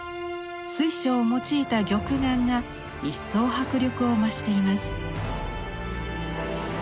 水晶を用いた玉眼が一層迫力を増しています。